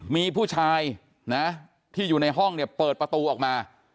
มีผู้ชายนะที่อยู่ในห้องเนี่ยเปิดประตูออกมา